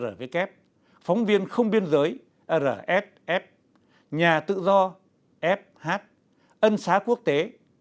theo dõi nhân quyền phóng viên không biên giới nhà tự do ân xá quốc tế